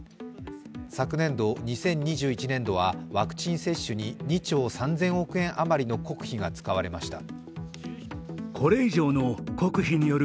昨年度、２０２１年度はワクチン接種に２兆３０００億円余りの国費が使われました。